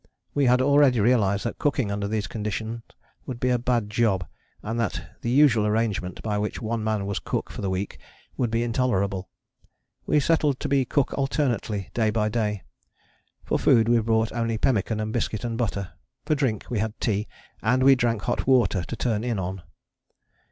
We had already realized that cooking under these conditions would be a bad job, and that the usual arrangement by which one man was cook for the week would be intolerable. We settled to be cook alternately day by day. For food we brought only pemmican and biscuit and butter; for drink we had tea, and we drank hot water to turn in on.